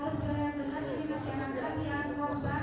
harus segera yang benar jadi masyarakat yang berubah